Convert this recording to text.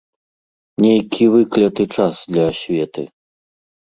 Нейкі выкляты час для асветы.